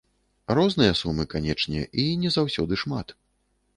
Розныя сумы, канечне, і не заўсёды шмат.